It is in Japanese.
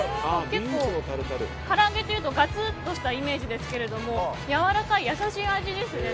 結構、から揚げというとガツンとしたイメージですけどやわらかい優しい味ですね。